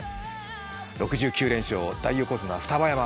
６９連勝、大横綱・双葉山。